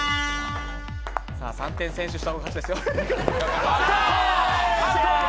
３点先取した方が勝ちですよ。